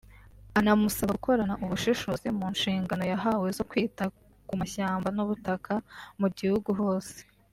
anamusaba gukorana ubushishozi mu nshingano yahawe zo kwita ku mashyamba n’ubutaka mu gihugu hose